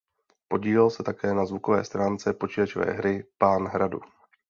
Podílel se také na zvukové stránce počítačové hry "Pán Hradu".